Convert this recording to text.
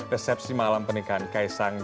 resepsi malam pernikahan kaisang